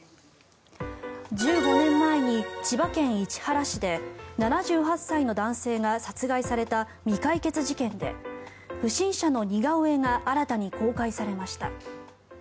１５年前に千葉県市原市で７８歳の男性が殺害された未解決事件で、不審者の似顔絵が新たに公開されました。